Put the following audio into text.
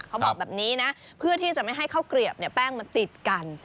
เขาบอกแบบนี้นะเพื่อที่จะไม่ให้ข้าวเกลียบแป้งมันติดกัน